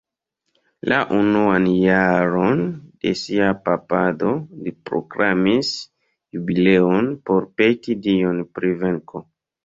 La unuan jaron de sia papado, li proklamis jubileon por peti Dion pri venko.